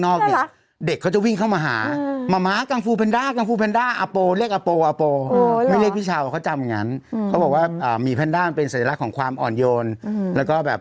แหว่คุณแม่ต้องไปดูยินครับดูสิตอนที่สุดดีอ่ะเด็กเค้าจะชอบนะฮะ